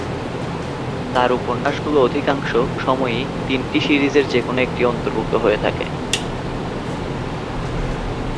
তার উপন্যাসগুলো অধিকাংশ সময়ই তিনটি সিরিজের যেকোন একটির অন্তর্ভুক্ত হয়ে থাকে।